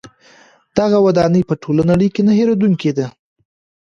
دغه ودانۍ په ټوله نړۍ کې نه هیریدونکې دي.